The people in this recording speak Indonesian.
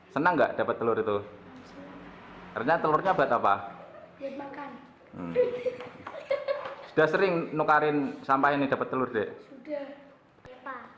sudah sering menukarkan sampah ini dapat telur bebek